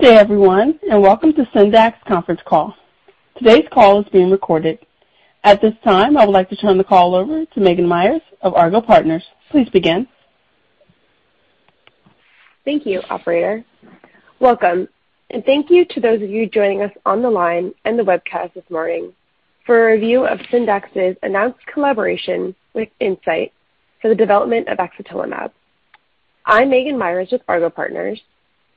Good day everyone, and welcome to Syndax conference call. Today's call is being recorded. At this time, I would like to turn the call over to Maghan Meyers of Argot Partners. Please begin. Thank you, operator. Welcome, thank you to those of you joining us on the line and the webcast this morning for a review of Syndax's announced collaboration with Incyte for the development of axatilimab. I'm Maghan Meyers with Argot Partners,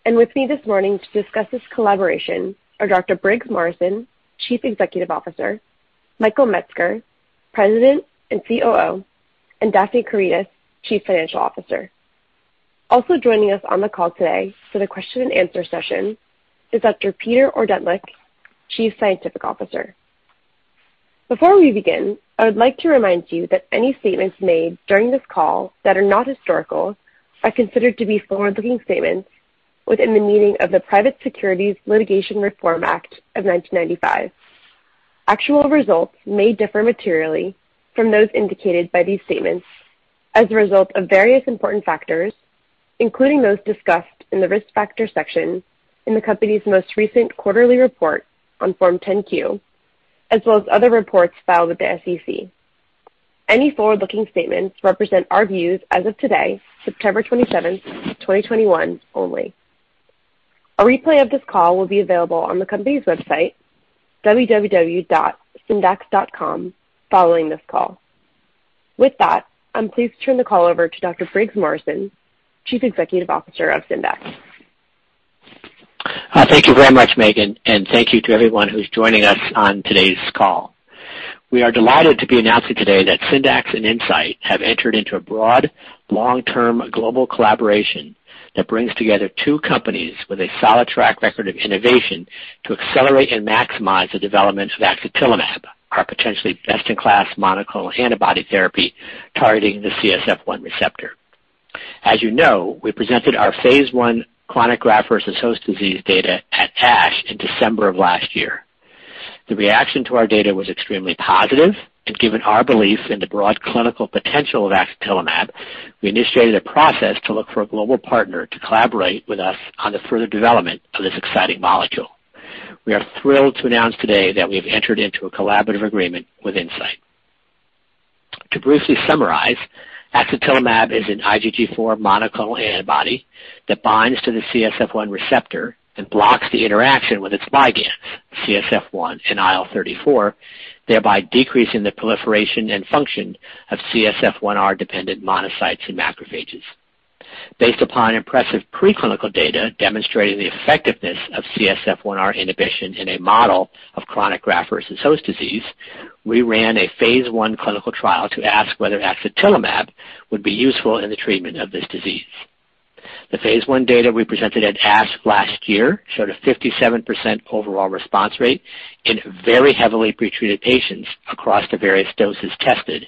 with me this morning to discuss this collaboration are Dr. Briggs Morrison, Chief Executive Officer, Michael Metzger, President and COO, and Daphne Karydas, Chief Financial Officer. Also joining us on the call today for the question and answer session is Dr. Peter Ordentlich, Chief Scientific Officer. Before we begin, I would like to remind you that any statements made during this call that are not historical are considered to be forward-looking statements within the meaning of the Private Securities Litigation Reform Act of 1995. Actual results may differ materially from those indicated by these statements as a result of various important factors, including those discussed in the risk factor section in the company's most recent quarterly report on Form 10-Q, as well as other reports filed with the SEC. Any forward-looking statements represent our views as of today, September 27th, 2021, only. A replay of this call will be available on the company's website, www.syndax.com, following this call. I'm pleased to turn the call over to Dr. Briggs Morrison, Chief Executive Officer of Syndax. Thank you very much, Maghan Meyers, and thank you to everyone who's joining us on today's call. We are delighted to be announcing today that Syndax and Incyte have entered into a broad, long-term global collaboration that brings together two companies with a solid track record of innovation to accelerate and maximize the development of axatilimab, our potentially best-in-class monoclonal antibody therapy targeting the CSF1 receptor. As you know, we presented our phase I chronic graft-versus-host disease data at ASH in December of last year. The reaction to our data was extremely positive, given our belief in the broad clinical potential of axatilimab, we initiated a process to look for a global partner to collaborate with us on the further development of this exciting molecule. We are thrilled to announce today that we have entered into a collaborative agreement with Incyte. To briefly summarize, axatilimab is an IgG4 monoclonal antibody that binds to the CSF1 receptor and blocks the interaction with its ligands, CSF1 and IL-34, thereby decreasing the proliferation and function of CSF1R-dependent monocytes and macrophages. Based upon impressive preclinical data demonstrating the effectiveness of CSF1R inhibition in a model of chronic graft-versus-host disease, we ran a phase I clinical trial to ask whether axatilimab would be useful in the treatment of this disease. The phase I data we presented at ASH last year showed a 57% overall response rate in very heavily pretreated patients across the various doses tested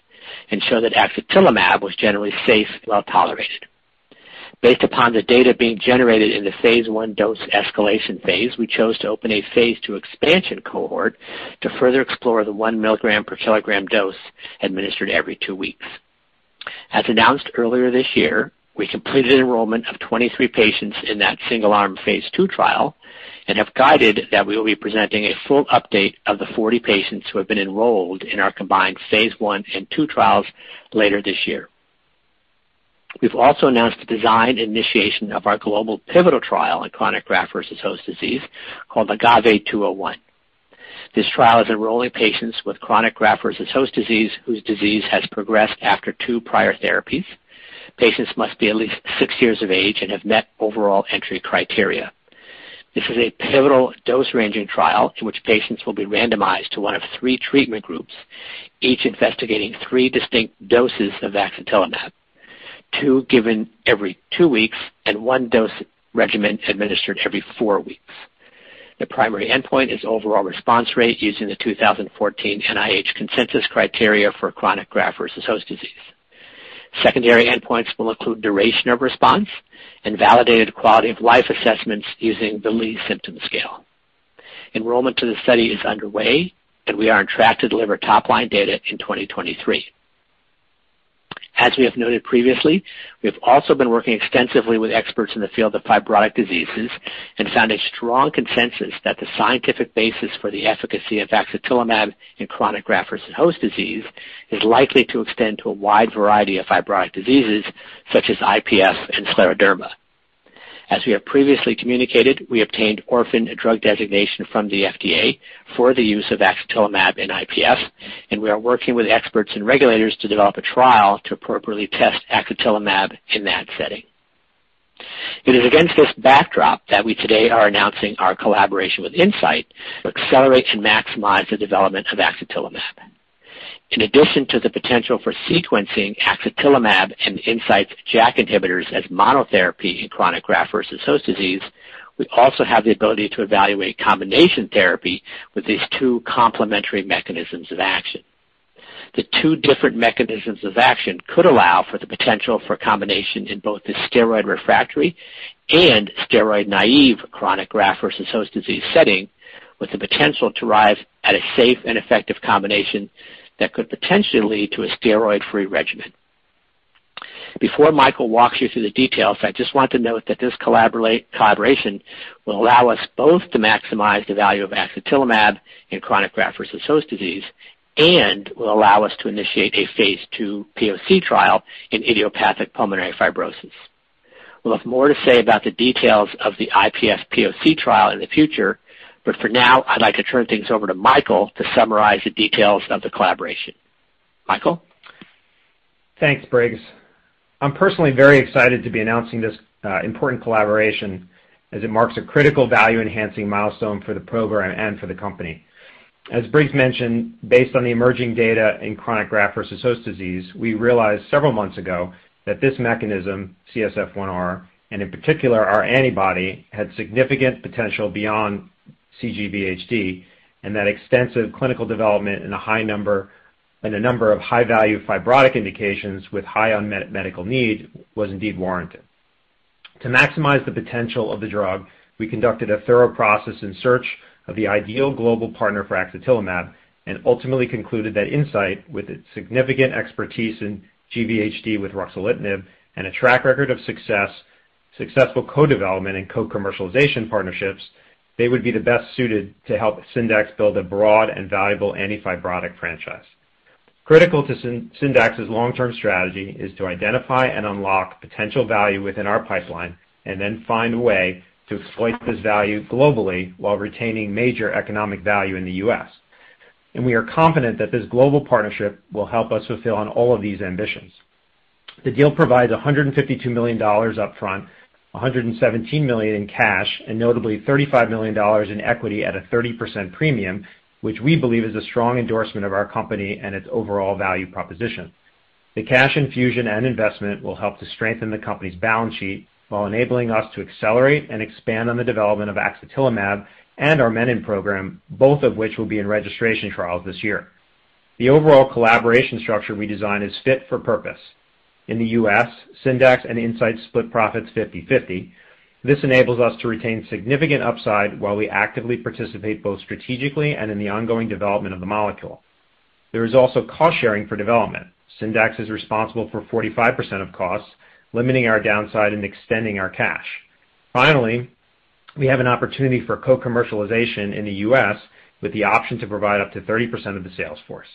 and showed that axatilimab was generally safe and well-tolerated. Based upon the data being generated in the phase I dose escalation phase, we chose to open a phase II expansion cohort to further explore the 1 milligram per kilogram dose administered every two weeks. As announced earlier this year, we completed enrollment of 23 patients in that single-arm phase II trial and have guided that we will be presenting a full update of the 40 patients who have been enrolled in our combined phase I and II trials later this year. We've also announced the design and initiation of our global pivotal trial in chronic graft-versus-host disease called AGAVE-201. This trial is enrolling patients with chronic graft-versus-host disease whose disease has progressed after two prior therapies. Patients must be at least six years of age and have met overall entry criteria. This is a pivotal dose-ranging trial in which patients will be randomized to one of three treatment groups, each investigating three distinct doses of axatilimab, two given every two weeks and 1 dose regimen administered every four weeks. The primary endpoint is overall response rate using the 2014 NIH consensus criteria for chronic graft-versus-host disease. Secondary endpoints will include duration of response and validated quality-of-life assessments using the Lee Symptom Scale. Enrollment to the study is underway, and we are on track to deliver top-line data in 2023. As we have noted previously, we have also been working extensively with experts in the field of fibrotic diseases and found a strong consensus that the scientific basis for the efficacy of axatilimab in chronic graft-versus-host disease is likely to extend to a wide variety of fibrotic diseases such as IPF and scleroderma. As we have previously communicated, we obtained orphan drug designation from the FDA for the use of axatilimab in IPF, and we are working with experts and regulators to develop a trial to appropriately test axatilimab in that setting. It is against this backdrop that we today are announcing our collaboration with Incyte to accelerate and maximize the development of axatilimab. In addition to the potential for sequencing axatilimab and Incyte's JAK inhibitors as monotherapy in chronic graft-versus-host disease, we also have the ability to evaluate combination therapy with these two complementary mechanisms of action. The two different mechanisms of action could allow for the potential for a combination in both the steroid-refractory and steroid-naive chronic graft-versus-host disease setting, with the potential to arrive at a safe and effective combination that could potentially lead to a steroid-free regimen. Before Michael walks you through the details, I just want to note that this collaboration will allow us both to maximize the value of axatilimab in chronic graft-versus-host disease and will allow us to initiate a phase II POC trial in idiopathic pulmonary fibrosis. We'll have more to say about the details of the IPF POC trial in the future, but for now, I'd like to turn things over to Michael to summarize the details of the collaboration. Michael? Thanks, Briggs. I'm personally very excited to be announcing this important collaboration as it marks a critical value-enhancing milestone for the program and for the company. As Briggs mentioned, based on the emerging data in chronic graft-versus-host disease, we realized several months ago that this mechanism, CSF1R, and in particular our antibody, had significant potential beyond cGVHD and that extensive clinical development in a number of high-value fibrotic indications with high unmet medical need was indeed warranted. To maximize the potential of the drug, we conducted a thorough process in search of the ideal global partner for axatilimab and ultimately concluded that Incyte, with its significant expertise in GVHD with ruxolitinib and a track record of successful co-development and co-commercialization partnerships, they would be the best suited to help Syndax build a broad and valuable anti-fibrotic franchise. Critical to Syndax's long-term strategy is to identify and unlock potential value within our pipeline and then find a way to exploit this value globally while retaining major economic value in the U.S. We are confident that this global partnership will help us fulfill on all of these ambitions. The deal provides $152 million upfront, $117 million in cash, and notably $35 million in equity at a 30% premium, which we believe is a strong endorsement of our company and its overall value proposition. The cash infusion and investment will help to strengthen the company's balance sheet while enabling us to accelerate and expand on the development of axatilimab and our menin program, both of which will be in registration trials this year. The overall collaboration structure we designed is fit for purpose. In the U.S., Syndax and Incyte split profits 50/50. This enables us to retain significant upside while we actively participate both strategically and in the ongoing development of the molecule. There is also cost-sharing for development. Syndax is responsible for 45% of costs, limiting our downside and extending our cash. Finally, we have an opportunity for co-commercialization in the U.S. with the option to provide up to 30% of the sales force.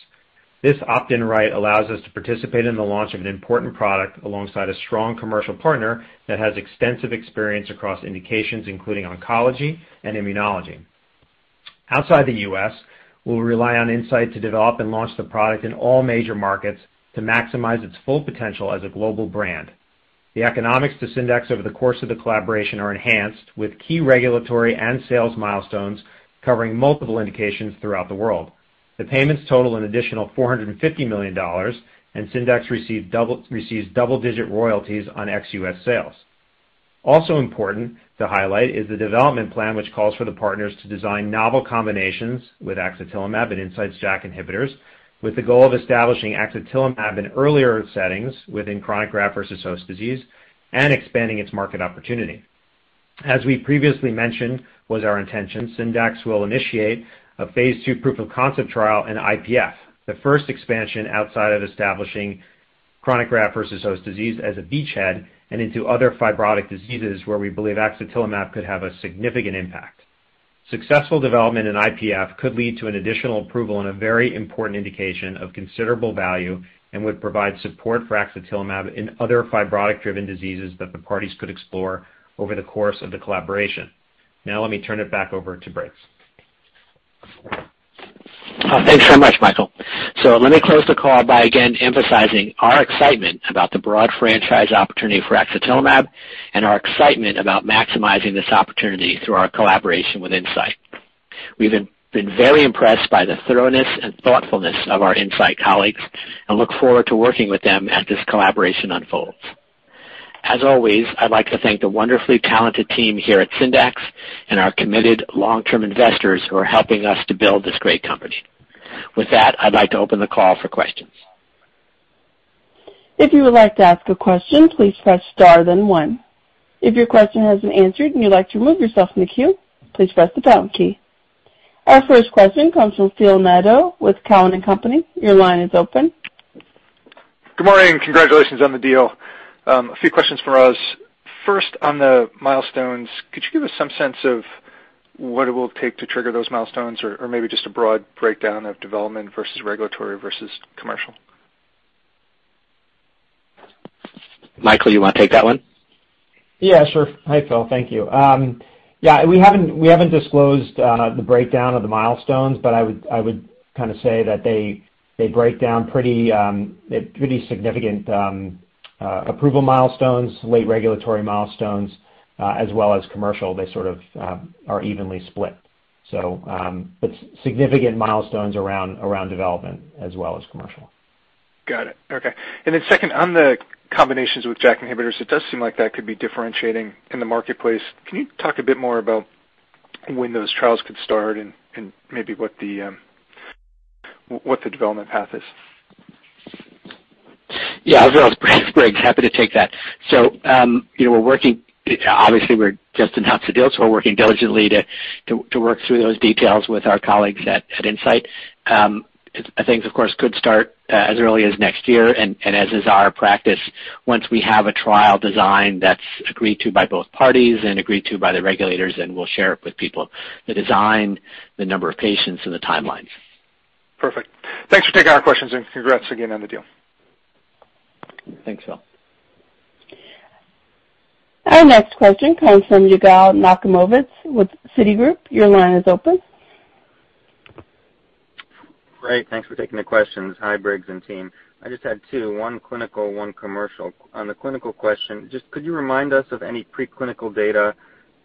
This opt-in right allows us to participate in the launch of an important product alongside a strong commercial partner that has extensive experience across indications including oncology and immunology. Outside the U.S., we'll rely on Incyte to develop and launch the product in all major markets to maximize its full potential as a global brand. The economics to Syndax over the course of the collaboration are enhanced with key regulatory and sales milestones covering multiple indications throughout the world. The payments total an additional $450 million and Syndax receives double-digit royalties on ex-U.S. sales. Also important to highlight is the development plan, which calls for the partners to design novel combinations with axatilimab and Incyte's JAK inhibitors with the goal of establishing axatilimab in earlier settings within chronic graft-versus-host disease and expanding its market opportunity. As we previously mentioned was our intention, Syndax will initiate a phase II proof of concept trial in IPF, the first expansion outside of establishing chronic graft-versus-host disease as a beachhead and into other fibrotic diseases where we believe axatilimab could have a significant impact. Successful development in IPF could lead to an additional approval in a very important indication of considerable value and would provide support for axatilimab in other fibrotic-driven diseases that the parties could explore over the course of the collaboration. Now, let me turn it back over to Briggs. Thanks so much, Michael. Let me close the call by again emphasizing our excitement about the broad franchise opportunity for axatilimab and our excitement about maximizing this opportunity through our collaboration with Incyte. We've been very impressed by the thoroughness and thoughtfulness of our Incyte colleagues and look forward to working with them as this collaboration unfolds. As always, I'd like to thank the wonderfully talented team here at Syndax and our committed long-term investors who are helping us to build this great company. With that, I'd like to open the call for questions. If you would like to ask a question, please press star then one. If your question has been answered and you'd like to remove yourself from the queue, please press the pound key. Our first question comes from Philip Nadeau with Cowen and Company. Your line is open. Good morning. Congratulations on the deal. A few questions from us. First, on the milestones, could you give us some sense of what it will take to trigger those milestones or maybe just a broad breakdown of development versus regulatory versus commercial? Michael, you want to take that one? Yeah, sure. Hi, Philip. Thank you. Yeah, we haven't disclosed the breakdown of the milestones, but I would say that they break down pretty significant approval milestones, late regulatory milestones, as well as commercial. They sort of are evenly split. Significant milestones around development as well as commercial. Got it. Okay. Second, on the combinations with JAK inhibitors, it does seem like that could be differentiating in the marketplace. Can you talk a bit more about when those trials could start and maybe what the development path is? Yeah. This is Briggs. Happy to take that. Obviously, we just announced the deal, so we're working diligently to work through those details with our colleagues at Incyte. Things, of course, could start as early as next year, and as is our practice, once we have a trial design that's agreed to by both parties and agreed to by the regulators, then we'll share it with people, the design, the number of patients, and the timelines. Perfect. Thanks for taking our questions. Congrats again on the deal. Thanks, Phil. Our next question comes from Yigal Nochomovitz with Citigroup. Your line is open. Great. Thanks for taking the questions. Hi, Briggs and team. I just had two, one clinical, one commercial. On the clinical question, just could you remind us of any preclinical data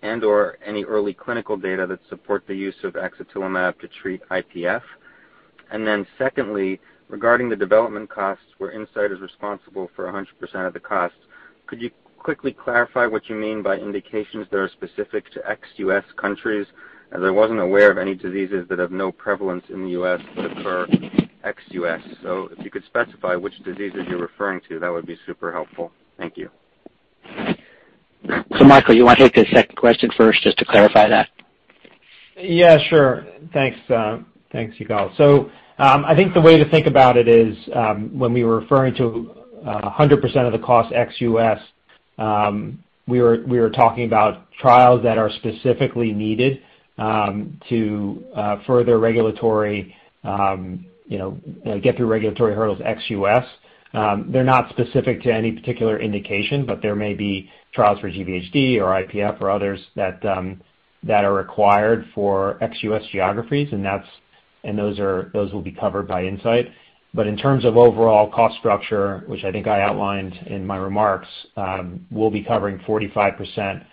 and/or any early clinical data that support the use of axatilimab to treat IPF? Secondly, regarding the development costs where Incyte is responsible for 100% of the costs, could you quickly clarify what you mean by indications that are specific to ex-U.S. countries? As I wasn't aware of any diseases that have no prevalence in the U.S. but for ex-U.S. If you could specify which diseases you're referring to, that would be super helpful. Thank you. Michael, you want to take the second question first, just to clarify that? Yeah, sure. Thanks, Yigal. I think the way to think about it is when we were referring to 100% of the cost ex-U.S., we were talking about trials that are specifically needed to get through regulatory hurdles ex-U.S. They're not specific to any particular indication, but there may be trials for GVHD or IPF or others that are required for ex-U.S. geographies, and those will be covered by Incyte. In terms of overall cost structure, which I think I outlined in my remarks, we'll be covering 45%.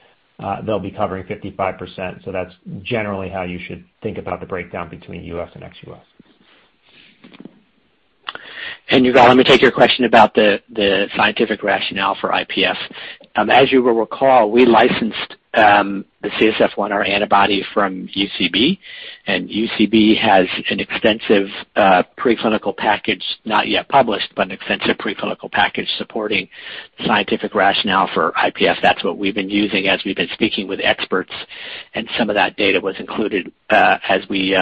They'll be covering 55%. That's generally how you should think about the breakdown between U.S. and ex-U.S. Yigal, let me take your question about the scientific rationale for IPF. As you will recall, we licensed the CSF1R antibody from UCB, and UCB has an extensive preclinical package, not yet published, but an extensive preclinical package supporting scientific rationale for IPF. That's what we've been using as we've been speaking with experts, and some of that data was included as we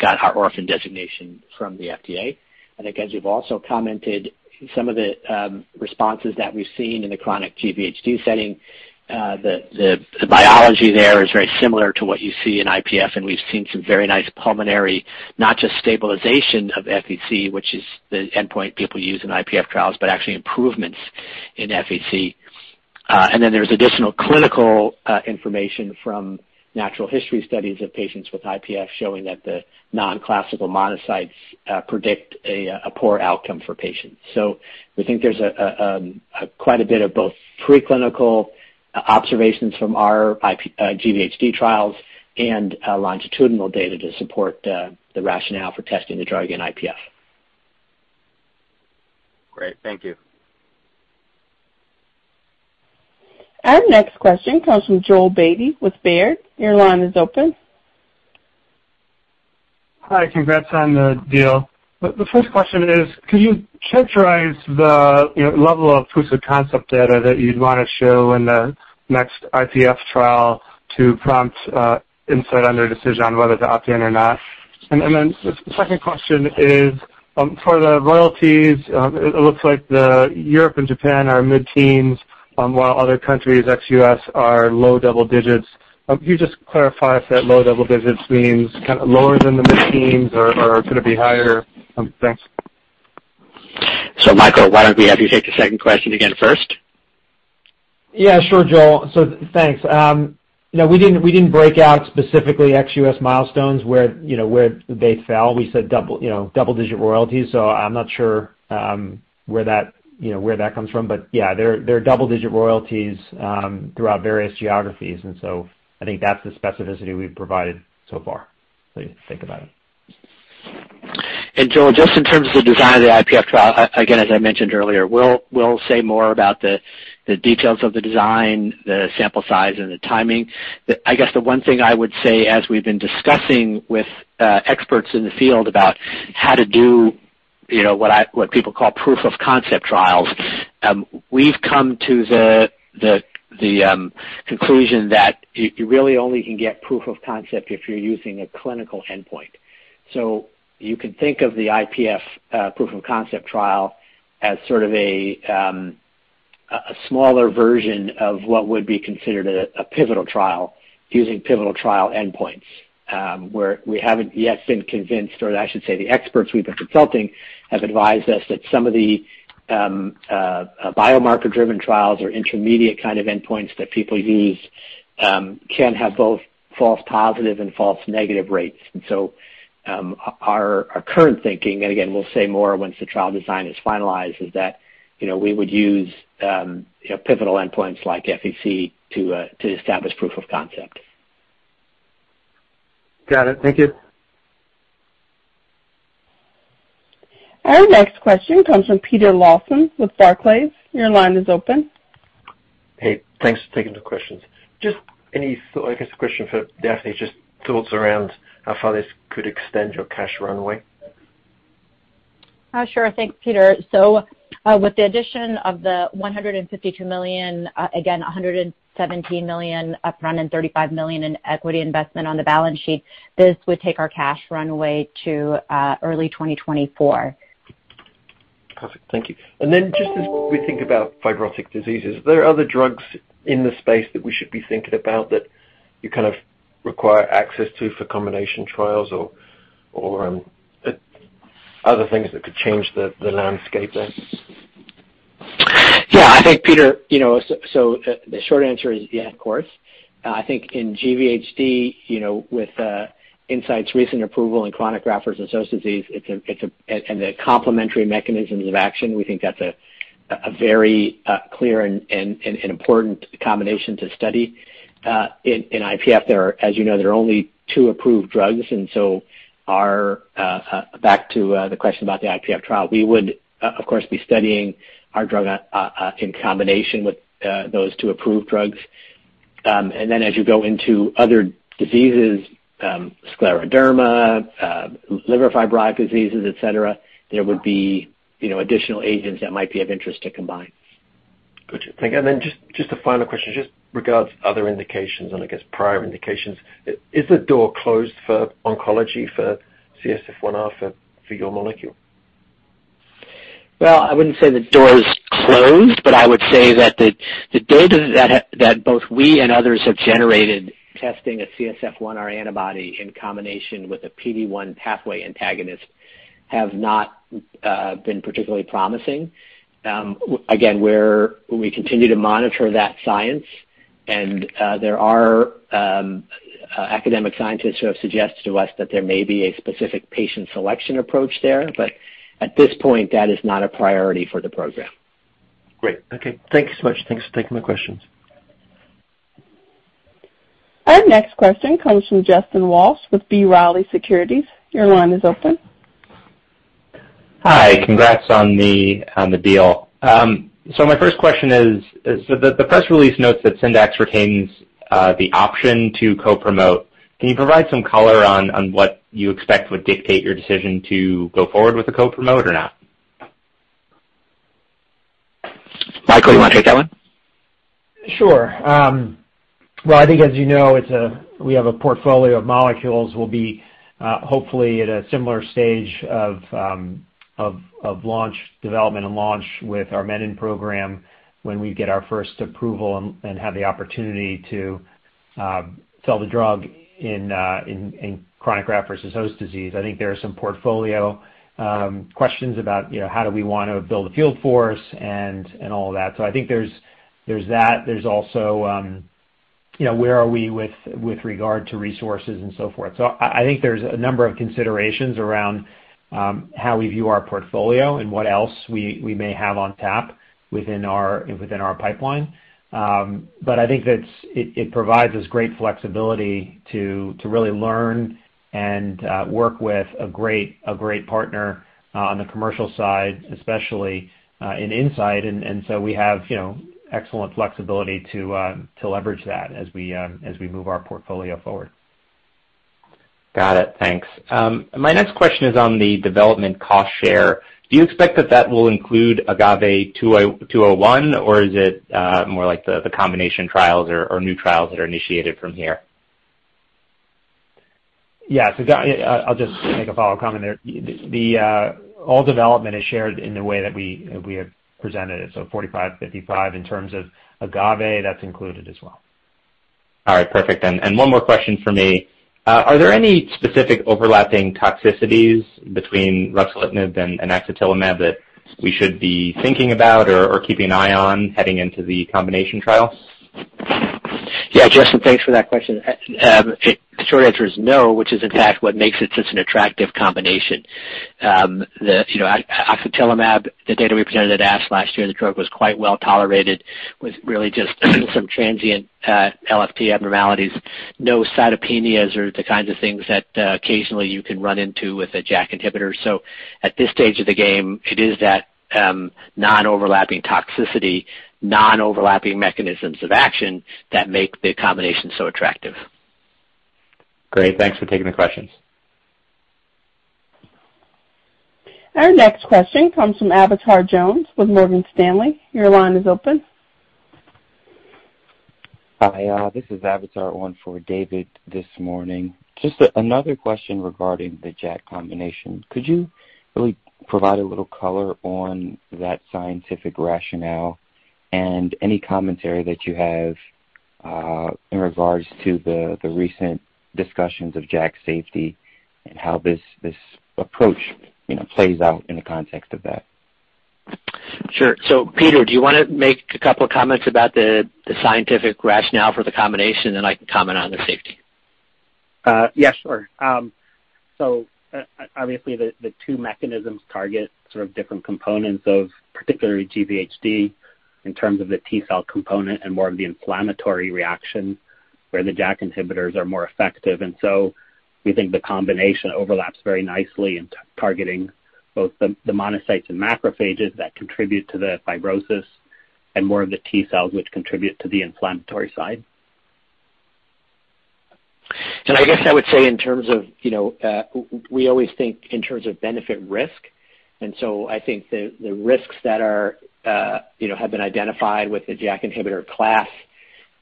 got our orphan designation from the FDA. I think as you've also commented, some of the responses that we've seen in the chronic GVHD setting, the biology there is very similar to what you see in IPF, and we've seen some very nice pulmonary, not just stabilization of FVC, which is the endpoint people use in IPF trials, but actually improvements in FVC. There's additional clinical information from natural history studies of patients with IPF showing that the non-classical monocytes predict a poor outcome for patients. We think there's quite a bit of both preclinical observations from our GVHD trials and longitudinal data to support the rationale for testing the drug in IPF. Great. Thank you. Our next question comes from Joel Beatty with Baird. Your line is open. Hi. Congrats on the deal. The first question is, could you characterize the level of proof of concept data that you'd want to show in the next IPF trial to prompt Incyte on their decision on whether to opt in or not? The second question is, for the royalties, it looks like the Europe and Japan are mid-teens, while other countries ex-U.S. are low double digits. Can you just clarify if that low double digits means lower than the mid-teens or could it be higher? Thanks. Michael, why don't we have you take the second question again first? Yeah, sure, Joel. Thanks. We didn't break out specifically ex-U.S. milestones where they fell. We said double-digit royalties. I'm not sure where that comes from. Yeah, there are double-digit royalties throughout various geographies, I think that's the specificity we've provided so far. You think about it. Joel, just in terms of the design of the IPF trial, again, as I mentioned earlier, we'll say more about the details of the design, the sample size, and the timing. I guess the one thing I would say, as we've been discussing with experts in the field about how to do what people call proof of concept trials, we've come to the conclusion that you really only can get proof of concept if you're using a clinical endpoint. You can think of the IPF proof of concept trial as sort of a smaller version of what would be considered a pivotal trial using pivotal trial endpoints, where we haven't yet been convinced, or I should say the experts we've been consulting have advised us that some of the biomarker-driven trials or intermediate kind of endpoints that people use can have both false positive and false negative rates. Our current thinking, and again, we'll say more once the trial design is finalized, is that we would use pivotal endpoints like FVC to establish proof of concept. Got it. Thank you. Our next question comes from Peter Lawson with Barclays. Your line is open. Hey, thanks for taking the questions. Just any, I guess, a question for Daphne, just thoughts around how far this could extend your cash runway? Sure. Thanks, Peter. With the addition of the $152 million, again, $117 million upfront and $35 million in equity investment on the balance sheet, this would take our cash runway to early 2024. Perfect. Thank you. Then just as we think about fibrotic diseases, are there other drugs in the space that we should be thinking about that you kind of require access to for combination trials or other things that could change the landscape there? Yeah, I think, Peter, the short answer is, of course. I think in GVHD, with Incyte's recent approval in chronic graft-versus-host disease, and the complementary mechanisms of action, we think that's a very clear and important combination to study. In IPF, as you know, there are only two approved drugs, and so back to the question about the IPF trial, we would, of course, be studying our drug in combination with those two approved drugs. As you go into other diseases, scleroderma, liver fibrotic diseases, et cetera, there would be additional agents that might be of interest to combine. Got you. Thank you. Just a final question, just regards other indications and I guess prior indications, is the door closed for oncology for CSF1R for your molecule? Well, I wouldn't say the door is closed, but I would say that the data that both we and others have generated testing a CSF1R antibody in combination with a PD-1 pathway antagonist have not been particularly promising. We continue to monitor that science, and there are academic scientists who have suggested to us that there may be a specific patient selection approach there, but at this point, that is not a priority for the program. Great. Okay. Thanks so much. Thanks for taking my questions. Our next question comes from Justin Zelin with B. Riley Securities. Your line is open. Hi. Congrats on the deal. My first question is, the press release notes that Syndax retains the option to co-promote. Can you provide some color on what you expect would dictate your decision to go forward with a co-promote or not? Michael, you want to take that one? Sure. Well, I think as you know, we have a portfolio of molecules. We'll be hopefully at a similar stage of development and launch with our menin program when we get our first approval and have the opportunity to sell the drug in chronic graft-versus-host disease. I think there are some portfolio questions about how do we want to build a field force and all that. I think there's that. There's also where are we with regard to resources and so forth. I think there's a number of considerations around how we view our portfolio and what else we may have on tap within our pipeline, but I think it provides us great flexibility to really learn and work with a great partner on the commercial side, especially in Incyte. We have excellent flexibility to leverage that as we move our portfolio forward. Got it. Thanks. My next question is on the development cost share. Do you expect that that will include AGAVE-201, or is it more like the combination trials or new trials that are initiated from here? Yeah, I'll just make a follow-up comment there. All development is shared in the way that we have presented it. 45/55 in terms of AGAVE-201, that's included as well. All right, perfect. One more question from me. Are there any specific overlapping toxicities between ruxolitinib and axatilimab that we should be thinking about or keeping an eye on heading into the combination trial? Yeah, Justin, thanks for that question. The short answer is no, which is, in fact, what makes it such an attractive combination. The axatilimab, the data we presented at ASH last year, the drug was quite well tolerated with really just some transient LFT abnormalities, no cytopenias or the kinds of things that occasionally you can run into with a JAK inhibitor. At this stage of the game, it is that non-overlapping toxicity, non-overlapping mechanisms of action that make the combination so attractive. Great. Thanks for taking the questions. Our next question comes from Avatar Jones with Morgan Stanley. Your line is open. Hi. This is Avatar. One for us this morning. Just another question regarding the JAK combination. Could you really provide a little color on that scientific rationale and any commentary that you have in regards to the recent discussions of JAK safety and how this approach plays out in the context of that? Sure. Peter, do you want to make a couple comments about the scientific rationale for the combination, and I can comment on the safety? Yes, sure. Obviously the two mechanisms target sort of different components of particularly GVHD in terms of the T cell component and more of the inflammatory reaction where the JAK inhibitors are more effective. We think the combination overlaps very nicely in targeting both the monocytes and macrophages that contribute to the fibrosis and more of the T cells, which contribute to the inflammatory side? I guess I would say we always think in terms of benefit/risk, and so I think the risks that have been identified with the JAK inhibitor class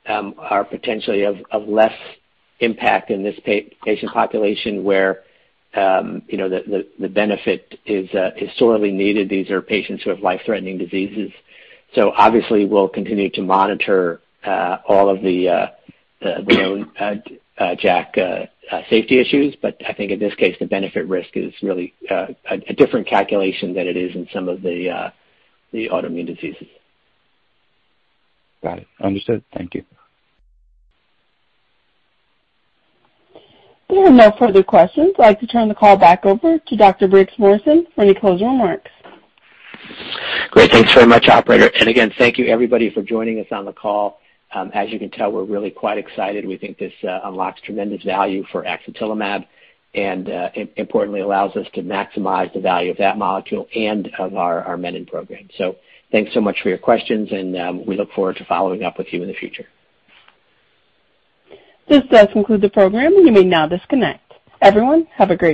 are potentially of less impact in this patient population where the benefit is sorely needed. These are patients who have life-threatening diseases. Obviously we'll continue to monitor all of the known JAK safety issues. I think in this case, the benefit/risk is really a different calculation than it is in some of the autoimmune diseases. Got it. Understood. Thank you. There are no further questions. I'd like to turn the call back over to Dr. Briggs Morrison for any closing remarks. Great. Thanks very much, operator. Again, thank you everybody for joining us on the call. As you can tell, we're really quite excited. We think this unlocks tremendous value for axatilimab and importantly allows us to maximize the value of that molecule and of our menin program. Thanks so much for your questions, and we look forward to following up with you in the future. This does conclude the program. You may now disconnect. Everyone, have a great day.